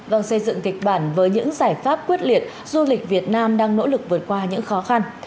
vâng xây dựng kịch bản với những giải pháp quyết liệt du lịch việt nam đang nỗ lực vượt qua những khó khăn